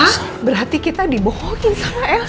pak berarti kita dibohongin sama elsa